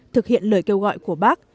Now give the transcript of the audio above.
thực hiện lời kêu gọi của bác